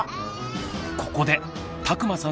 ここで田熊さん